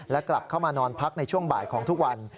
และกลับเข้ามานอนพักในช่วงบ่ายของทุกวัน